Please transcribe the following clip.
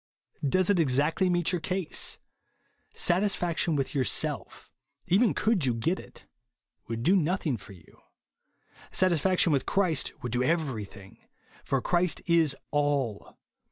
Does it exactly meet your case. Satisfaction with yourself, even could you get it, would do nothing for you. Satisfaction v/ith Christ would do everything ; for Christ is ALL.